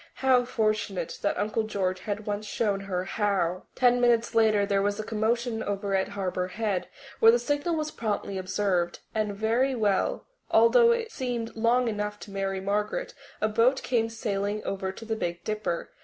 How fortunate that Uncle George had once shown her how! Ten minutes later there was a commotion over at Harbour Head where the signal was promptly observed, and very soon although it seemed long enough to Mary Margaret a boat came sailing over to the Big Dipper.